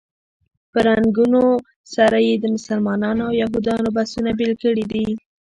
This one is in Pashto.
په رنګونو سره یې د مسلمانانو او یهودانو بسونه بېل کړي دي.